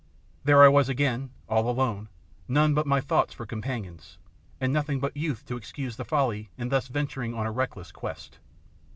There I was again, all alone, none but my thoughts for companions, and nothing but youth to excuse the folly in thus venturing on a reckless quest!